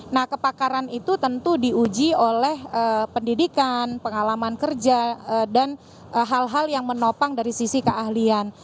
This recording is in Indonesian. nah kepakaran itu tentu diuji oleh pendidikan pengalaman kerja dan hal hal yang menopang dari sisi keahlian